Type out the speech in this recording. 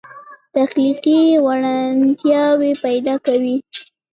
تخلیقي وړتیاوې پیدا کوي.